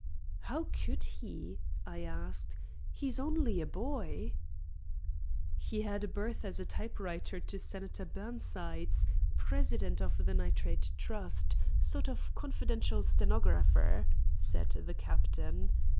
"How could he?" I asked. "He's only a boy." "He had a berth as typewriter to Senator Burnsides, president of the Nitrate Trust, sort of confidential stenographer," said the captain.